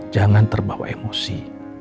jangan terbawa emosi